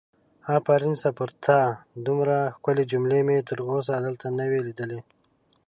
آفرین سه پر تا دومره ښکلې جملې مې تر اوسه دلته نه وي لیدلې!